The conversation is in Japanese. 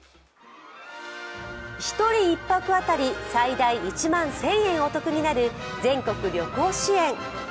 １人１泊当たり最大１万１０００円お得になる全国旅行支援。